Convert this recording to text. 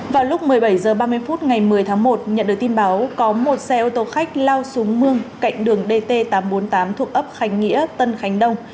vào lúc một mươi bảy h ba mươi phút ngày một mươi tháng một nhận được tin báo có một xe ô tô khách lao xuống mương cạnh đường dt tám trăm bốn mươi tám thuộc ấp khánh nghĩa tân khánh đông